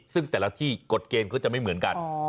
ซึ่งแต่ละที่กฎเกณฑ์เขาจะไม่เหมือนกัน